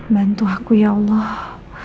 bantu aku ya allah